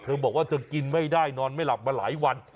บอกว่าเธอกินไม่ได้นอนไม่หลับมาหลายวัน